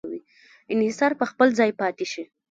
انحصار په خپل ځای پاتې شي.